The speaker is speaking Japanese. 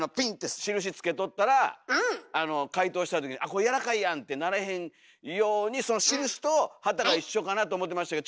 印つけとったら解凍したときに「これやわらかいやん！」ってならへんようにその印と旗が一緒かなと思ってましたけど